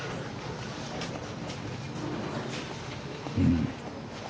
うん。